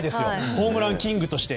ホームランキングとして。